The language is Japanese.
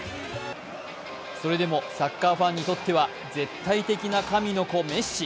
それでもサッカーファンにとっては絶対的な神の子・メッシ。